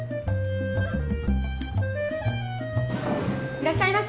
いらっしゃいませ！